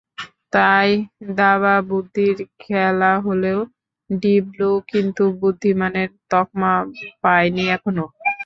তাই দাবা বুদ্ধির খেলা হলেও ডিপ ব্লু কিন্তু বুদ্ধিমানের তকমা পায়নি এখনো।